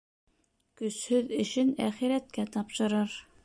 Көсһөҙ эшен әхирәткә тапшырыр.